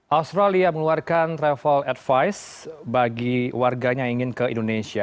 australia mengeluarkan travel advice bagi warganya ingin ke indonesia